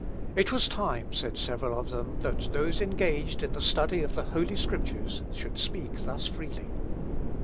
"It was time," said several of them, "that those engaged in the study of the Holy Scriptures should speak thus freely."